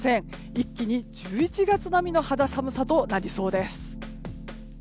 一気に１１月並みの肌寒さとなりそうです。